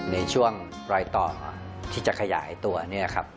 ในช่วงรอยต่อที่จะขยายตัวเนี่ยครับ